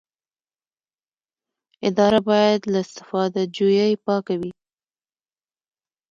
اداره باید له استفاده جویۍ پاکه وي.